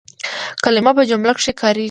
کلیمه په جمله کښي کارېږي.